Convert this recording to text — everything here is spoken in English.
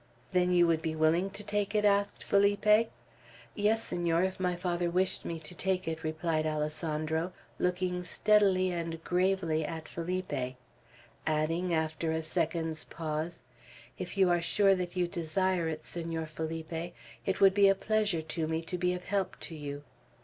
"Then you would be willing to take it?" asked Felipe. "Yes, Senor, if my father wished me to take it," replied Alessandro, looking steadily and gravely at Felipe; adding, after a second's pause, "if you are sure that you desire it, Senor Felipe, it would be a pleasure to me to be of help to you."